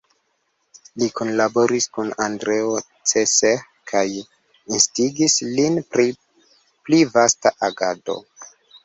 Li kunlaboris kun Andreo Cseh kaj instigis lin pri pli vasta agado.